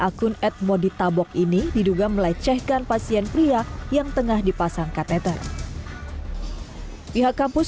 akun at modi tabok ini diduga melecehkan pasien pria yang tengah dipasangkan ether pihak kampus